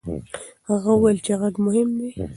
هغه وویل چې غږ مهم دی.